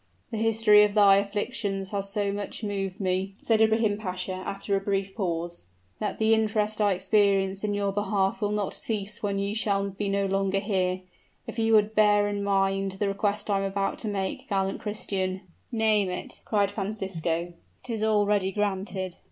"The history of thy afflictions has so much moved me," said Ibrahim Pasha, after a brief pause, "that the interest I experience in your behalf will not cease when you shall be no longer here. If then you would bear in mind the request I am about to make, gallant Christian " "Name it!" cried Francisco; "'tis already granted!"